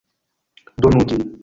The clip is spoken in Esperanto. Donu ĝin!